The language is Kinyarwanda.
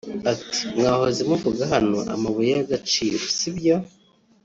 Ati “Mwahoze muvuga hano amabuye y’agaciro si byo